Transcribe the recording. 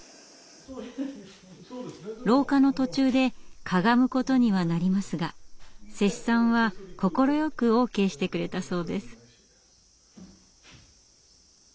廊下の途中でかがむことにはなりますが施主さんは快くＯＫしてくれたそうです。